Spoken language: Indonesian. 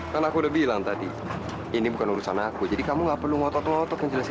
kan aku udah bilang tadi ini bukan urusan aku jadi kamu nggak perlu ngotot ngotot yang jelas